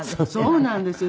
そうなんですよ。